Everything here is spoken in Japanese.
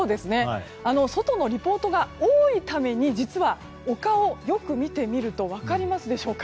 外のリポートが多いためにお顔をよく見ると分かりますでしょうか？